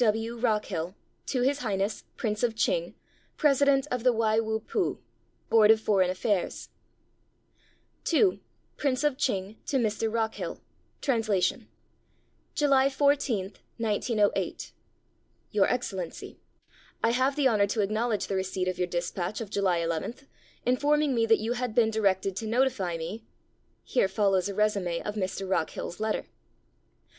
W. W. ROCKHILL. To His Highness, Prince of Ch'ing, President of the Wai Wu Pu [Board of Foreign Affairs], II PRINCE OF ch'ing TO MR. ROCKHILL (Translation) July 14, igo8. Your Excellency :— I have the honor to acknowledge the receipt of your dispatch of July 11, informing me that you had been directed to notify me ... [Here follows a resume of Mr. Rockhill's letter.